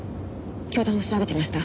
教団を調べていました。